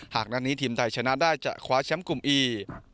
หากนัดนี้ทีมไทยชนะได้จะคว้าแชมป์กลุ่มอี